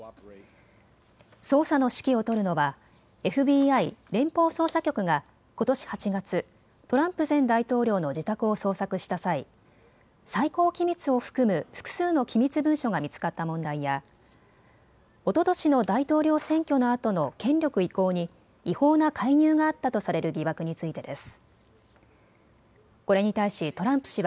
捜査の指揮を執るのはＦＢＩ・連邦捜査局がことし８月、トランプ前大統領の自宅を捜索した際、最高機密を含む複数の機密文書が見つかった問題やおととしの大統領選挙のあとの権力移行に違法な介入があったとされる疑惑についてです。